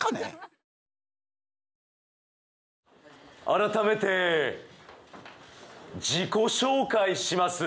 改めて自己紹介します。